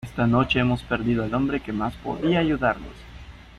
¡ esta noche hemos perdido al hombre que más podía ayudarnos!